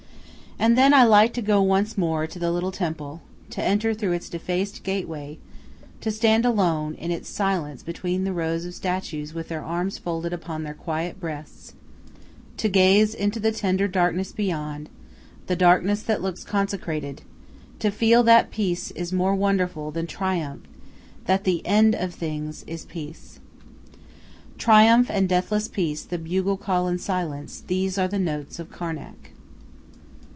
And then I like to go once more to the little temple, to enter through its defaced gateway, to stand alone in its silence between the rows of statues with their arms folded upon their quiet breasts, to gaze into the tender darkness beyond the darkness that looks consecrated to feel that peace is more wonderful than triumph, that the end of things is peace. Triumph and deathless peace, the bugle call and silence these are the notes of Karnak.